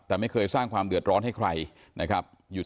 แต่ไม่เคยสร้างความเดือดร้อนให้ใครอยู่ตัวคนเดียว